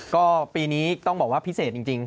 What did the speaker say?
ก็ปีนี้ต้องบอกว่าพิเศษจริง